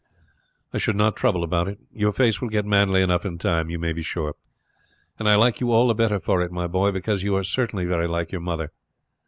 "I should not trouble about it. Your face will get manly enough in time, you may be sure; and I like you all the better for it, my boy, because you are certainly very like your mother.